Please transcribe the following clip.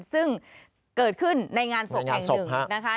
ซึ่งเกิดขึ้นในงานศพแห่งหนึ่งนะคะ